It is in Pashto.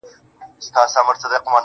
څه دي راوکړل د قرآن او د ګیتا لوري.